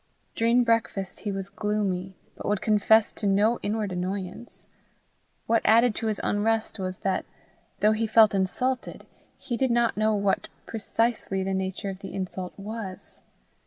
During breakfast he was gloomy, but would confess to no inward annoyance. What added to his unrest was, that, although he felt insulted, he did not know what precisely the nature of the insult was.